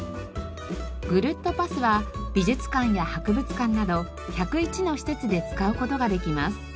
ぐるっとパスは美術館や博物館など１０１の施設で使う事ができます。